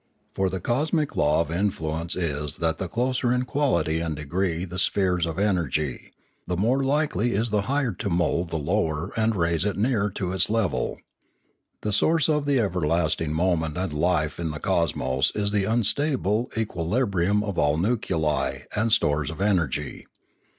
For the cosmic law of influence is that the closer in quality and degree the spheres of energy, the more likely is the higher to mould the lower and raise it near to its level. The source of the everlasting movement and life in the cosmos is the unstable equi librium of all nuclei and stores of energy.